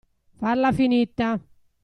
Farla finita.